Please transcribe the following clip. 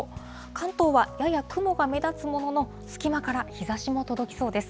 関東はやや雲が目立つものの隙間から日ざしも届きそうです。